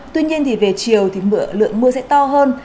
tuy nhiên thì về chiều thì lượng mưa sẽ to hơn